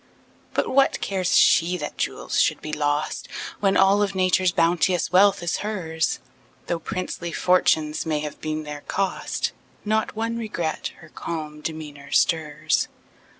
But what cares she that jewels should be lost, When all of Nature's bounteous wealth is hers? Though princely fortunes may have been their cost, Not one regret her calm demeanor stirs.